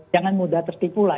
jangan mudah tertipu lah